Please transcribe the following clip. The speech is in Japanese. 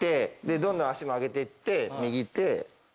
どんどん足も上げてって右手左手。